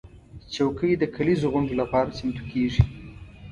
چوکۍ د کليزو غونډو لپاره چمتو کېږي.